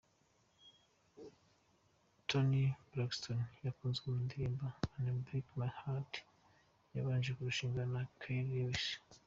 Toni Braxton wakunzwe mu ndirimbo "Unbreak My Heart", yabanje kurushingana na Keri Lewis.